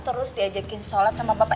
terus diajakin sholat sama bapak